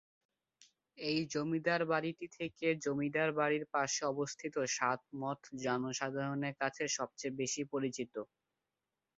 এই জমিদার বাড়িটি থেকে জমিদার বাড়ির পাশে অবস্থিত সাত মঠ জনসাধারণের কাছে সবচেয়ে বেশি পরিচিত।